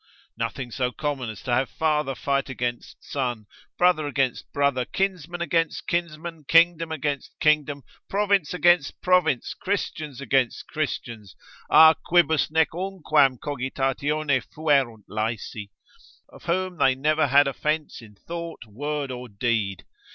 Nothing so common as to have father fight against the son, brother against brother, kinsman against kinsman, kingdom against kingdom, province against province, Christians against Christians: a quibus nec unquam cogitatione fuerunt laesi, of whom they never had offence in thought, word, or deed.